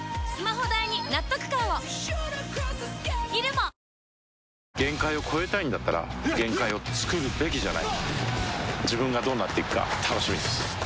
Ｎｏ．１１番何で知ってんねん限界を越えたいんだったら限界をつくるべきじゃない自分がどうなっていくか楽しみです